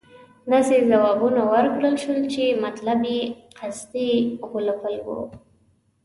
داسې ځوابونه ورکړل شول چې مطلب یې قصدي غولول وو.